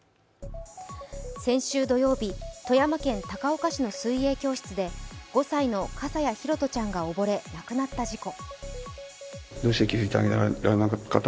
先週土曜日、富山県高岡市の水泳教室で５歳の笠谷拓杜ちゃんが溺れ、亡くなった事故。